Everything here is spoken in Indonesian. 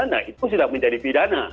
nah itu sudah menjadi pidana